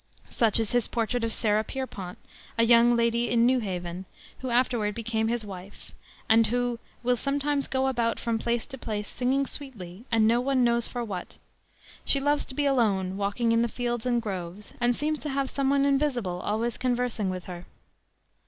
Such is his portrait of Sarah Pierpont, "a young lady in New Haven," who afterward became his wife, and who "will sometimes go about from place to place singing sweetly, and no one knows for what. She loves to be alone, walking in the fields and groves, and seems to have some one invisible always conversing with her."